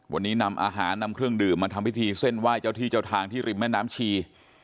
วันนี้นำอาหารนำเครื่องดื่มมาทำพิธีเส้นไหว้เจ้าที่เจ้าทางที่ริมแม่น้ำชี